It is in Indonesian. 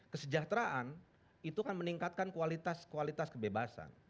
kesejahteraan itu kan meningkatkan kualitas kualitas kebebasan